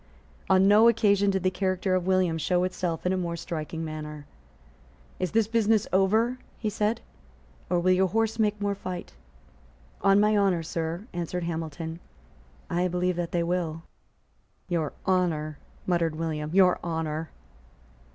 On no occasion did the character of William show itself in a more striking manner. "Is this business over?" he said; "or will your horse make more fight?" "On my honour, Sir," answered Hamilton, "I believe that they will." "Your honour!" muttered William; "your honour!"